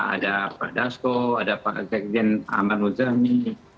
ada pak dasko ada pak zegjen aman uzzami